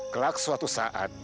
kelak suatu saat